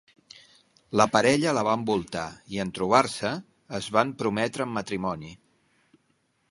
La parella la va envoltar i en trobar-se es van prometre en matrimoni.